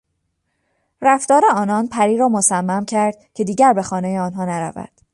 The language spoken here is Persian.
رفتار آنان پری را مصمم کرد که دیگر به خانهی آنها نرود.